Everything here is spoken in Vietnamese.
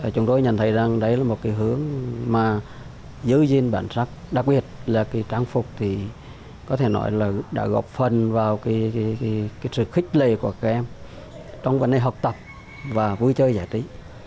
chúng tôi nhận thấy rằng đây là một cái hướng mà giữ gìn bản sắc đặc biệt là trang phục thì có thể nói là đã góp phần vào cái sự khích lệ của các em trong vấn đề học tập và vui chơi giải trí